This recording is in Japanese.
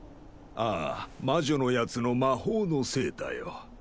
ああ魔女のやつの魔法のせいだよ。